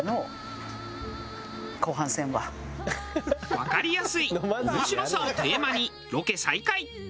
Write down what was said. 「わかりやすい面白さ」をテーマにロケ再開。